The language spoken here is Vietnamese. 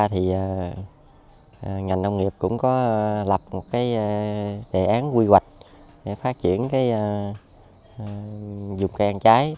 ngành nông nghiệp cũng có lập một đề án quy hoạch để phát triển dùng cây ăn trái